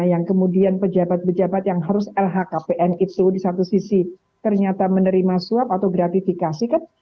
yang kemudian pejabat pejabat yang harus lhkpn itu di satu sisi ternyata menerima suap atau gratifikasi kan